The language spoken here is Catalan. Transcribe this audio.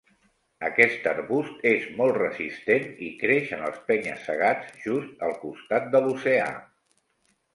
Aquest arbust és molt resistent i creix en els penya-segats just al costat de l'oceà.